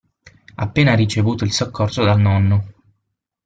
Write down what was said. Appena ricevuto il soccorso dal nonno.